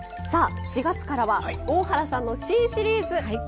さあ４月からは大原さんの新シリーズ！